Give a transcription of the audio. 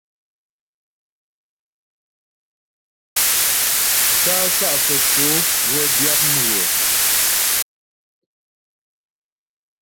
Tá'a Sá'a Fə́tsǒ wə́ byǎp mghʉɔ.